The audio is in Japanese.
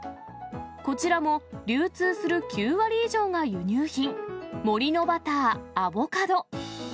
こちらも流通する９割以上が輸入品、森のバター、アボカド。